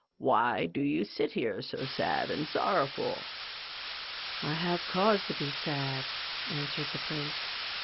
" Why do you sit here so sad and sorrowful ?"" I have cause to be sad," answered the prince.